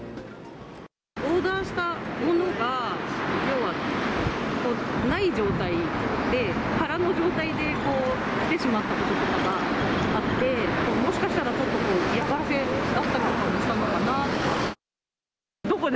オーダーしたものが要はない状態で、空の状態で来てしまったこととかがあって、もしかしたら、ちょっとこう、嫌がらせだったりもしたのかなって。